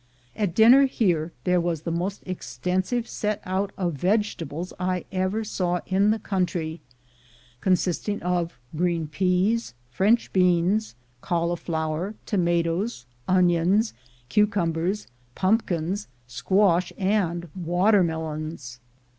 At dinner here there was the most extensive set out of vegetables I ever saw in the country, consisting of green peas, French beans, cauliflower, tomatoes, onions, cucumbers, pumpkins, squash, and watermelons.